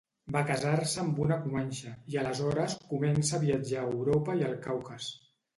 Va casar-se amb una comanxe, i aleshores comença a viatjar a Europa i al Caucas.